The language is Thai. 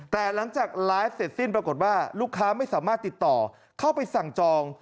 แต่หลังจากไลฟ์เสร็จสิ้นปรากฏว่าลูกค้าไม่สามารถติดต่อเข้าไปสั่งจอง